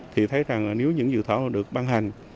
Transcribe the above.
thì thấy rằng nếu những dự án luật được ban hành